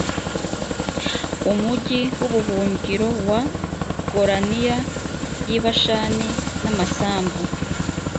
umugi w ubuhungiro wa golania y i bashani n amasambu